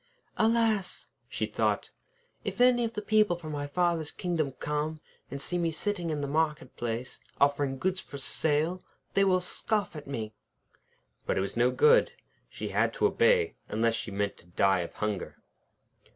}] 'Alas!' she thought, 'if any of the people from my father's kingdom come and see me sitting in the market place, offering goods for sale, they will scoff at me.' But it was no good. She had to obey, unless she meant to die of hunger.